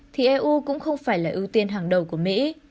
thì eu cũng không phải là ưu tiên hàng đầu của mỹ